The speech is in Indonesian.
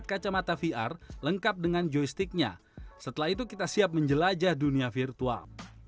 setelah kita membuatkan avatar vr lengkap dengan joysticknya setelah itu kita siap menjelajah dunia virtual